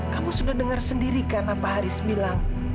kamu sudah dengar sendiri kan apa haris bilang